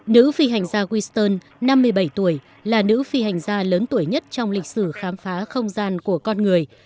nữ phi hành gia wiston năm mươi bảy tuổi là nữ phi hành gia lớn tuổi nhất trong lịch sử khám phá không gian của con người